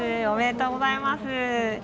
おめでとうございます。